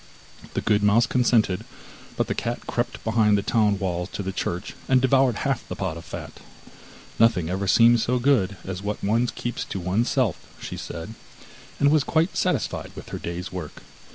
The good mouse consented, but the cat crept behind the town walls to the church, and devoured half the pot of fat. 'Nothing ever seems so good as what one keeps to oneself,' said she, and was quite satisfied with her day's work.